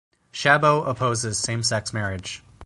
Chabot opposes same-sex marriage.